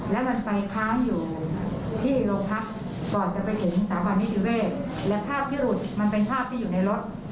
และภาพที่หลุดมันเป็นภาพที่อยู่ในรถ